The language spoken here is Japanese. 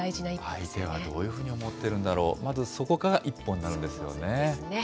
相手はどういうふうに思ってるんだろう、まずそこから一歩にそうですね。